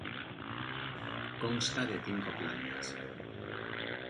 Consta de cinco plantas.